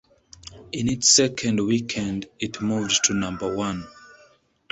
In its second weekend it moved to number one.